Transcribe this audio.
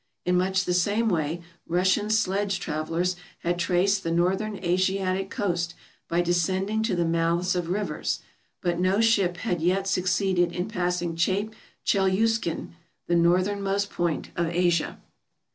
In much the same way Russian sledge travel ers had traced the northern Asiatic coast by descending to the mouths of rivers; but no ship had yet succeeded in passing Cape Chelyuskin, the northernmost point of Asia.